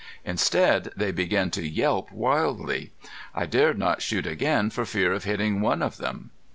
Instead they began to yelp wildly. I dared not shoot again for fear of hitting one of them.